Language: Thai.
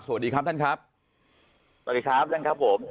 สวัสดีครับท่านครับผม